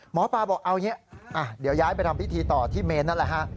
หมอปลาบอกเอาอย่างนี้เดี๋ยวย้ายไปทำพิธีต่อที่เมนนั่นแหละฮะ